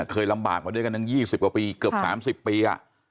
เคยลำบากมาด้วยกันทั้ง๒๐กว่าปีเกือบ๓๐ปี